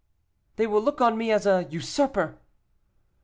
"They will look on me as a usurper."